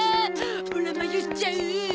オラ迷っちゃう！